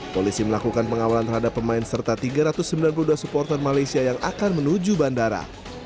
polisi melakukan pengawalan terhadap pemain serta tiga ratus sembilan puluh dua supporter malaysia yang akan menuju bandara